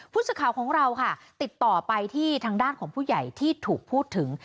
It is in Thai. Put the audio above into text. ผู้สื่อข่าวของเราค่ะติดต่อไปที่ทางด้านของผู้ใหญ่ที่ถูกพูดถึง